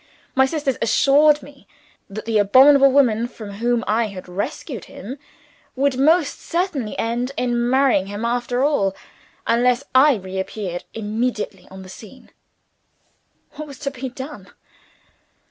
My sisters assured me that the abominable woman from whom I had rescued him, would most certainly end in marrying him after all, unless I reappeared immediately on the scene. What was to be done?